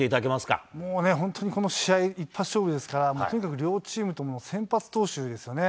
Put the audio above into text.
もうね、本当にこの試合、一発勝負ですから、とにかく両チームとも、先発投手ですよね。